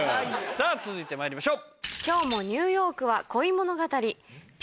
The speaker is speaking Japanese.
さぁ続いてまいりましょう！